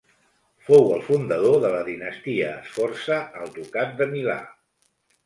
Fou el fundador de la dinastia Sforza al Ducat de Milà.